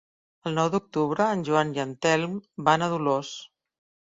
El nou d'octubre en Joan i en Telm van a Dolors.